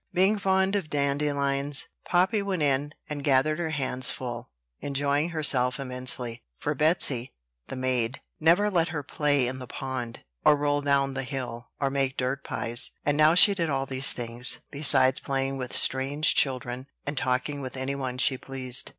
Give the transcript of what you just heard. Being fond of dandelions, Poppy went in, and gathered her hands full, enjoying herself immensely; for Betsy, the maid, never let her play in the pond, or roll down the hill, or make dirt pies, and now she did all these things, besides playing with strange children and talking with any one she pleased.